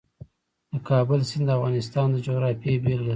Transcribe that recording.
د کابل سیند د افغانستان د جغرافیې بېلګه ده.